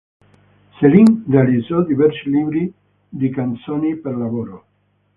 Selim realizzò diversi libri di canzoni per lavoro.